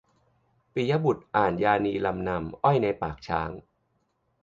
ปิยบุตรอ่านยานีลำนำ "อ้อยในปากช้าง"